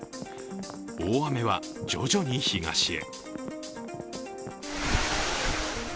大雨は徐々に東へ。